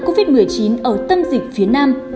covid một mươi chín ở tâm dịch phía nam